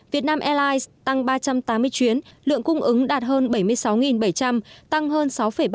việt nam airlines tăng ba trăm tám mươi chuyến lượng cung ứng đạt hơn bảy mươi sáu bảy trăm linh tăng hơn sáu ba